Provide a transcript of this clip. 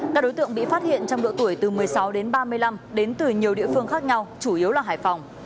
các đối tượng bị phát hiện trong độ tuổi từ một mươi sáu đến ba mươi năm đến từ nhiều địa phương khác nhau chủ yếu là hải phòng